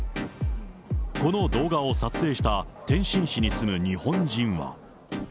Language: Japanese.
この動画を撮影した天津市に住む日本人は。